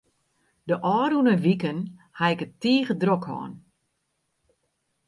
De ôfrûne wiken haw ik it tige drok hân.